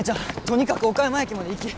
とにかく岡山駅まで行き。